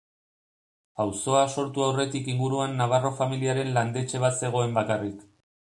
Auzoa sortu aurretik inguruan Navarro familiaren landetxe bat zegoen bakarrik.